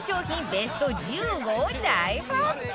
ベスト１５を大発表！